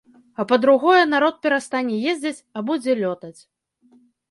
А па-другое, народ перастане ездзіць, а будзе лётаць.